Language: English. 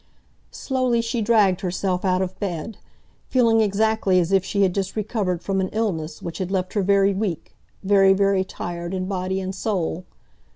Slowly she dragged herself out of bed, feeling exactly as if she had just recovered from an illness which had left her very weak, very, very tired in body and soul.